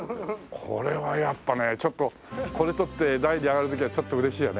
これはやっぱねちょっとこれ取って台に上がる時はちょっと嬉しいよね？